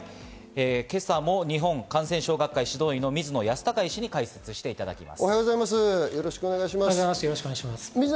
今朝も日本感染症学会・指導医の水野泰孝医師に聞いていきます。